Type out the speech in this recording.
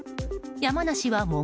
山梨は桃？